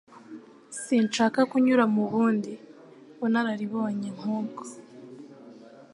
Sinshaka kunyura mu bundi bunararibonye nkubwo